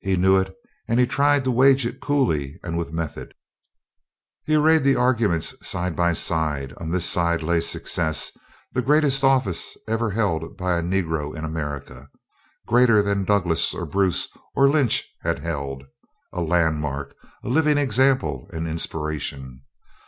He knew it and he tried to wage it coolly and with method. He arrayed the arguments side by side: on this side lay success; the greatest office ever held by a Negro in America greater than Douglass or Bruce or Lynch had held a landmark, a living example and inspiration.